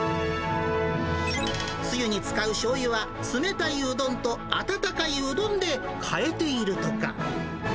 つゆに使うしょうゆは、冷たいうどんと温かいうどんで変えているとか。